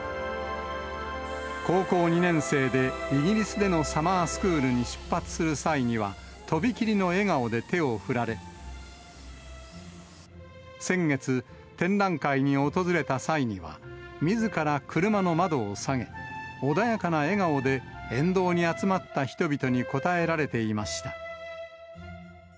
高校２年生で、イギリスでのサマースクールに出発する際には、とびきりの笑顔で手を振られ、先月、展覧会に訪れた際には、みずから車の窓を下げ、穏やかな笑顔で、沿道に集まった人々に応えられていました。